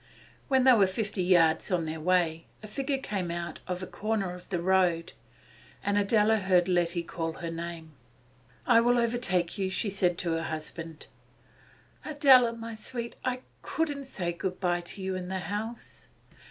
When they were fifty yards on their way, a figure came out of a corner of the road, and Adela heard Letty call her name. 'I will overtake you,' she said to her husband. 'Adela, my sweet, I couldn't say good bye to you in the house!